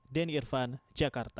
den irvan jakarta